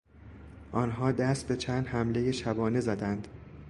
آنها دست به چند حملهی شبانه زدند.